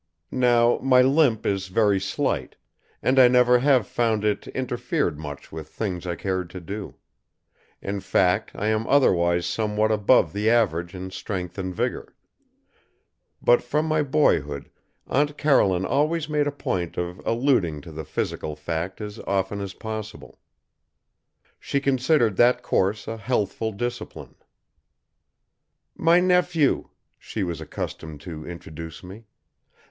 Now, my limp is very slight, and I never have found it interfered much with things I cared to do. In fact, I am otherwise somewhat above the average in strength and vigor. But from my boyhood Aunt Caroline always made a point of alluding to the physical fact as often as possible. She considered that course a healthful discipline. "My nephew," she was accustomed to introduce me.